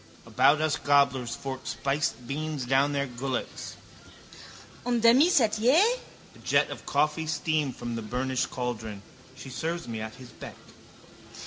About us gobblers fork spiced beans down their gullets. Un demi sétier! A jet of coffee steam from the burnished caldron. She serves me at his beck.